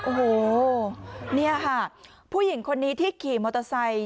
โอ้โหนี่ค่ะผู้หญิงคนนี้ที่ขี่มอเตอร์ไซค์